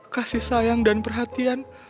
kasih sayang dan perhatian